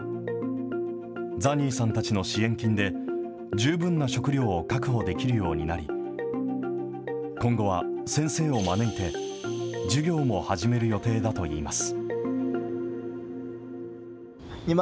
ザニーさんたちの支援金で、十分な食料を確保できるようになり、今後は先生を招いて、授業も始める予定だといいます。